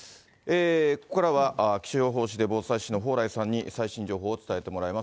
ここからは気象予報士で防災士の蓬莱さんに、最新情報を伝えてもらいます。